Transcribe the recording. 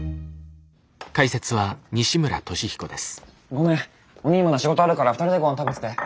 ごめんおにぃまだ仕事あるから２人でごはん食べてて。